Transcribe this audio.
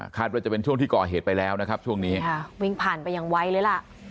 ว่าจะเป็นช่วงที่ก่อเหตุไปแล้วนะครับช่วงนี้ค่ะวิ่งผ่านไปอย่างไวเลยล่ะ